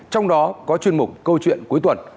trong đó có chuyên mục câu chuyện cuối tuần